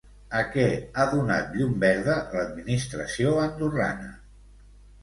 A què ha donat llum verda l'administració andorrana?